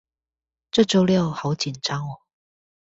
這週六好緊張喔